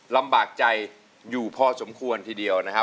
ลำบากใจอยู่พอสมควรทีเดียวนะครับ